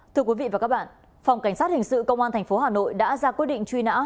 thưa quý vị và các bạn phòng cảnh sát hình sự công an tp hà nội đã ra quyết định truy nã